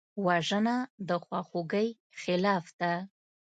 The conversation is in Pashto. وژنه د خواخوږۍ خلاف ده